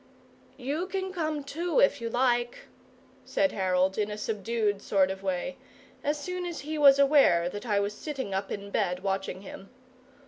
"You can come too if you like," said Harold, in a subdued sort of way, as soon as he was aware that I was sitting up in bed watching him.